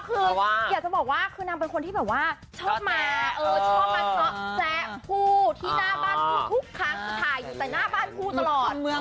ถ้าเป็นภาษาอีกสามต้องบอกว่าสล่อแสลง